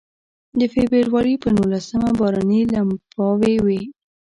د فبروري په نولسمه باراني لمباوې وې.